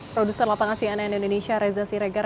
produser lapangan cnn indonesia reza siregar